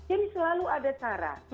ini selalu ada cara